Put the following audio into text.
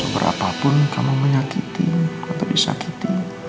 berapa pun kamu menyakiti atau disakiti